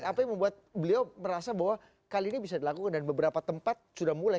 apa yang membuat beliau merasa bahwa kali ini bisa dilakukan dan beberapa tempat sudah mulai